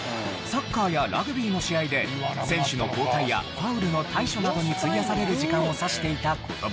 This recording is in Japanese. サッカーやラグビーの試合で選手の交代やファウルの対処などに費やされる時間を指していた言葉。